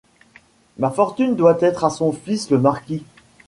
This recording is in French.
Ma fortune doit être à son fils le marquis.